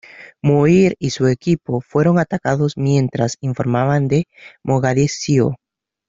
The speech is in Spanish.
Muir y su equipo fueron atacados mientras informaban de Mogadiscio.